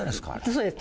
そうです。